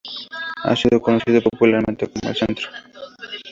Ha sido conocido popularmente como El Centro.